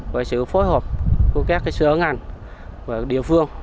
và sự phối hợp của các sở ngành và địa phương